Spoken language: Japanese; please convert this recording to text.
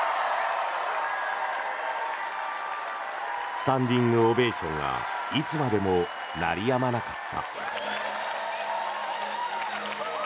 スタンディングオベーションがいつまでも鳴りやまなかった。